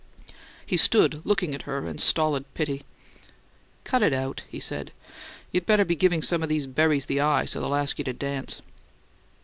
He stood looking at her in stolid pity. "Cut it out," he said. "You better be givin' some of these berries the eye so they'll ask you to dance."